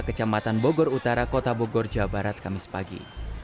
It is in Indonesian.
kecamatan bogor utara kota bogor jawa barat kamis pagi